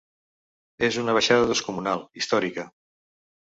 És una baixada descomunal, històrica.